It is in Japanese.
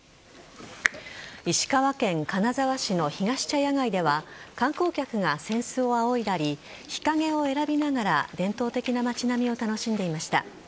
石川県金沢市のひがし茶屋街では観光客が扇子を仰いだり日陰を選びながら伝統的な街並みを楽しんでいました。